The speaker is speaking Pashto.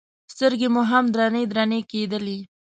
سترګې مو هم درنې درنې کېدلې.